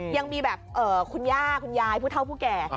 ยังมีแบบคุณย่าคุณยายผู้เท่าผู้แก่